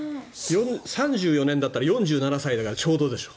３４年だったら４７歳だからちょうどでしょ。